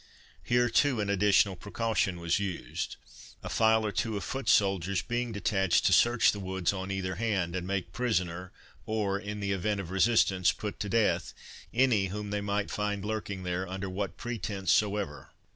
Here, too, an additional precaution was used, a file or two of foot soldiers being detached to search the woods on either hand, and make prisoner, or, in the event of resistance, put to death, any whom they might find lurking there, under what pretence soever.